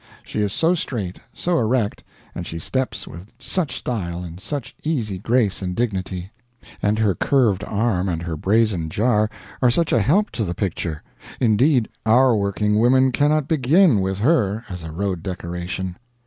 She is so straight, so erect, and she steps with such style, and such easy grace and dignity; and her curved arm and her brazen jar are such a help to the picture indeed, our working women cannot begin with her as a road decoration.